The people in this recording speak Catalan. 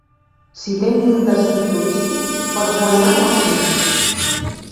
Si tens un destí turístic, pots guanyar molts diners.